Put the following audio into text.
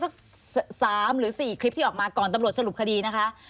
สัก๓หรือ๔คลิปที่ออกมาก่อนตำรวจสรุปคดีนะคะ